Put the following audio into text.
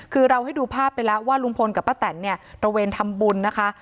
คือเราให้ดูภาพไปแล้วว่าลุงพลกับป้าแตนเนี่ยตระเวนทำบุญนะคะ